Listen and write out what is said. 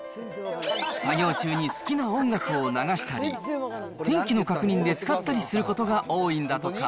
作業中に好きな音楽を流したり、天気の確認で使ったりすることが多いんだとか。